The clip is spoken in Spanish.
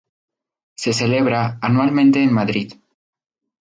Se celebra anualmente en Madrid.